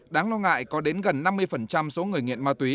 đáng lo ngại có đến gần năm mươi số người nghiện ma túy